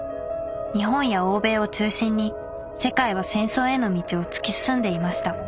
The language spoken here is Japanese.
日本や欧米を中心に世界は戦争への道を突き進んでいました。